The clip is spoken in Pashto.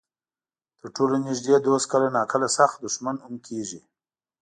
تر ټولو نږدې دوست کله ناکله سخت دښمن هم کېږي.